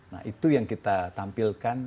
nah itu yang kita tampilkan